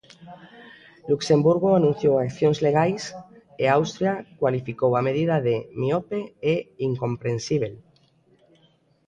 Luxemburgo anunciou accións legais, e Austria cualificou a medida de "miope" e "incomprensíbel".